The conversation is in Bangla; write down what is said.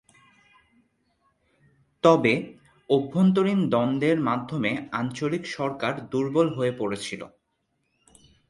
তবে, অভ্যন্তরীণ দ্বন্দ্বের মাধ্যমে আঞ্চলিক সরকার দুর্বল হয়ে পড়েছিল।